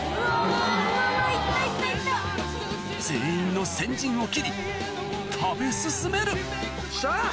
全員の先陣を切り食べ進めるよっしゃ！